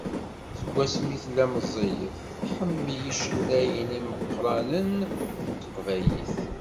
Seg wasmi tella meẓẓiyet, tḥemmel icennayen imeqqranen n teqbaylit.